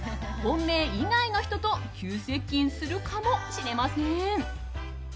本命以外の人と急接近するかもしれません。